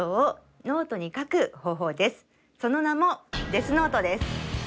その名も「デスノート」です。